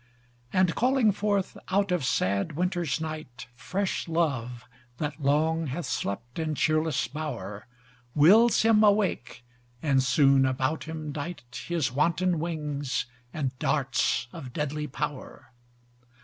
And calling forth out of sad Winter's night, Fresh love, that long hath slept in cheerless bower: Wills him awake, and soon about him dight His wanton wings and darts of deadly power.